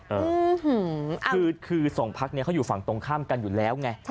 คือคือสองพักนี้เขาอยู่ฝั่งตรงข้ามกันอยู่แล้วไง